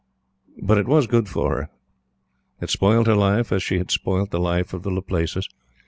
But it was good for her. It spoilt her life, as she had spoilt the life of the Laplaces.